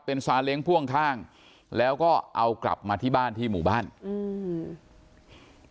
เป็นซาเล้งพ่วงข้างแล้วก็เอากลับมาที่บ้านที่หมู่บ้านอืม